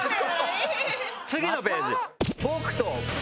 次のページ。